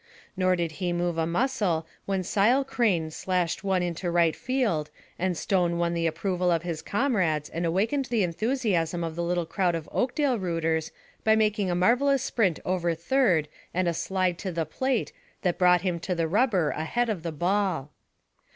Nor did he move a muscle when Sile Crane slashed one into right field and Stone won the approval of his comrades and awakened the enthusiasm of the little crowd of Oakdale rooters by making a marvelous sprint over third and a slide to the plate that brought him to the rubber ahead of the ball.